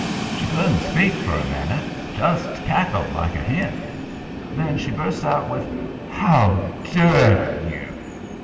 She couldn't speak for a minute just cackled like a hen. Then she busts out with: "How dare you!"